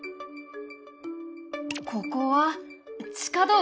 ここは地下道か。